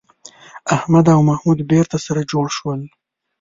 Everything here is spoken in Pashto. احمد او محمود بېرته سره جوړ شول